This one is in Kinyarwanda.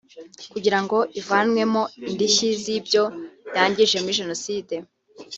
kugira ngo ivanwemo indishyi z’ibyo yangije muri Jenoside